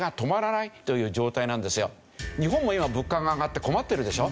日本も今物価が上がって困ってるでしょ？